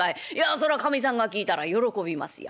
そらかみさんが聞いたら喜びますよ。